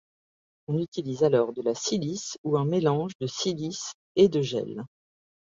On utilise alors de la silice ou un mélange de silice et de gel.